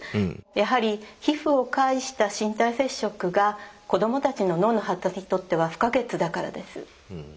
やはり皮膚を介した身体接触が子供たちの脳の発達にとっては不可欠だからです。